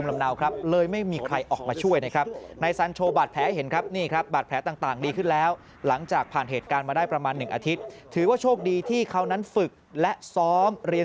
มาบ้างทำให้เอาชีวิตรอดมาได้